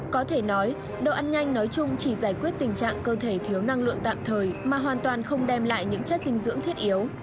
có thể nói đồ ăn nhanh nói chung chỉ giải quyết tình trạng cơ thể thiếu năng lượng tạm thời mà hoàn toàn không đem lại những chất dinh dưỡng thiết yếu